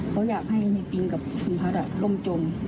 เขาอยากให้ในปิงกับคุณพัฒน์ร่มจม